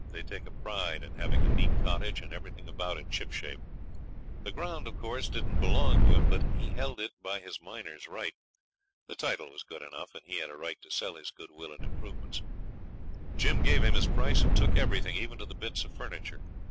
They take a pride in having a neat cottage and everything about it shipshape. The ground, of course, didn't belong to him, but he held it by his miner's right. The title was good enough, and he had a right to sell his goodwill and improvements. Jim gave him his price and took everything, even to the bits of furniture.